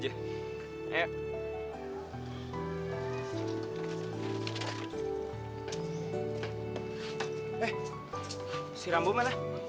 eh si rambu mana